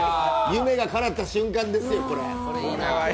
夢がかなった瞬間ですよ。